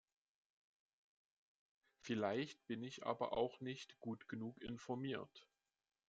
Vielleicht bin ich aber auch nicht gut genug informiert.